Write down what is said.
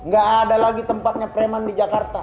gak ada lagi tempatnya preman di jakarta